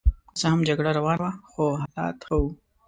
که څه هم جګړه روانه وه خو حالات ښه وو.